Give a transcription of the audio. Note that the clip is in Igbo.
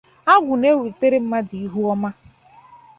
agwụ na-ewètere mmadụ ihu ọma